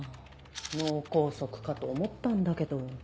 脳梗塞かと思ったんだけど。